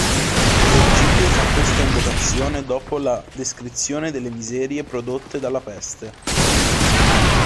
Virgilio fa questa invocazione dopo la descrizione delle miserie prodotte dalla peste.